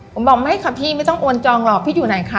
ผมบอกไม่ค่ะพี่ไม่ต้องโอนจองหรอกพี่อยู่ไหนคะ